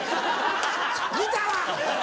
見たわ！